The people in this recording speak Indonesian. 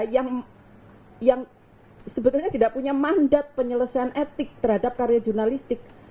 yang sebetulnya tidak punya mandat penyelesaian etik terhadap karya jurnalistik